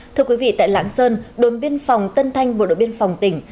thưa quý vị tại lạng sơn đồn biên phòng tân thanh bộ đội biên phòng tỉnh